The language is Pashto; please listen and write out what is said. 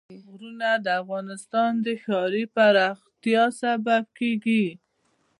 غرونه د افغانستان د ښاري پراختیا سبب کېږي.